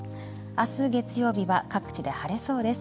明日、月曜日は各地で晴れそうです。